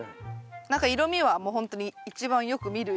何か色みはもうほんとに一番よく見るような。